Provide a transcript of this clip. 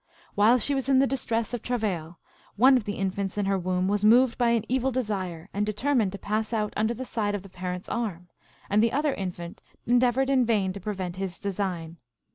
While she was in the dis tress of travail, one of the infants in her womb was moved by an evil desire, and determined to pass out under the side of the parent s arm, and the other in fant endeavored in vain to prevent his design.